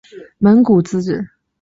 蒙古自治运动领导人之一。